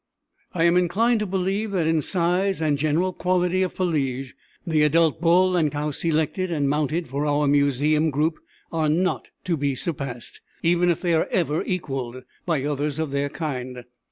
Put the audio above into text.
I am inclined to believe that in size and general quality of pelage the adult bull and cow selected and mounted for our Museum group are not to be surpassed, even if they are ever equaled, by others of their kind.